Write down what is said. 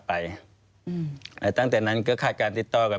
ควิทยาลัยเชียร์สวัสดีครับ